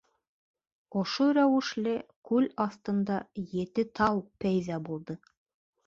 Ошо рәүешле күл аҫтында ете тау пәйҙә булды.